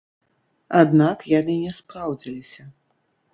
Аднак яны не спраўдзіліся.